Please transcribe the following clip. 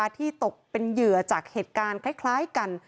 ที่ตกเป็นเหยื่อจากเหตุการณ์คล้ายกัน